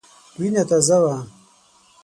وینه تازه وه.